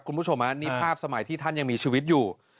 คุณผู้ชมนี่ภาพสมัยที่ท่านยังมีชีวิตอยู่